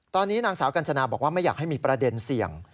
ตอนนี้นางสาวกัญชนาบอกว่าไม่อยากให้มีประเด็นเสี่ยง